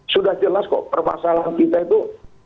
sudah jelas kok permasalahan kita itu